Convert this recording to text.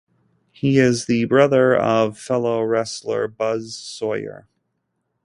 He is the brother of fellow wrestler Buzz Sawyer.